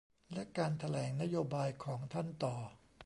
และการแถลงนโยบายของท่านต่อ